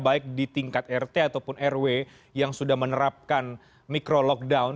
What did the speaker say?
baik di tingkat rt ataupun rw yang sudah menerapkan micro lockdown